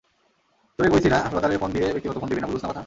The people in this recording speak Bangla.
তোরে কইছি না হাসপাতালের ফোন দিয়ে ব্যক্তিগত ফোন দিবি না, বুঝস না কথা?